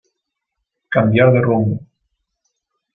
Cambiar de rumbo.